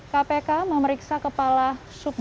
kpk memeriksa kepala superintenden